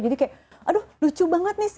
jadi kayak aduh lucu banget nih